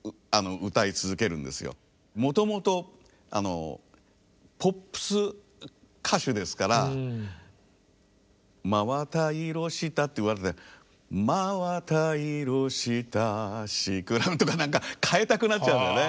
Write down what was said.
もともとポップス歌手ですから「真綿色した」って言わないで「真綿色したシクラメン」とか何か変えたくなっちゃうんだよね。